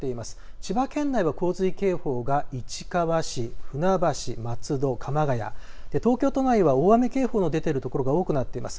千葉県内は洪水警報が市川市、船橋、松戸、鎌ケ谷、東京都内は大雨警報の出ている所が多くなっています。